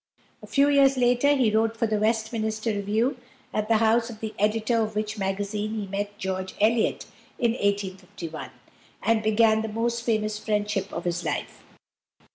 A few years later, he wrote for the Westminster Review, at the house of the editor of which magazine he met George Eliot in 1851, and began the most famous friendship of his life.